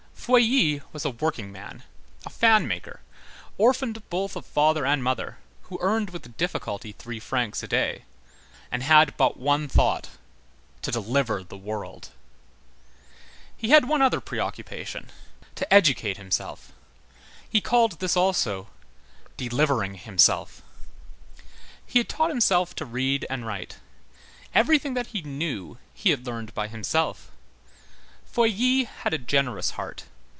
Feuilly was a workingman, a fan maker, orphaned both of father and mother, who earned with difficulty three francs a day, and had but one thought, to deliver the world. He had one other preoccupation, to educate himself; he called this also, delivering himself. He had taught himself to read and write; everything that he knew, he had learned by himself. Feuilly had a generous heart.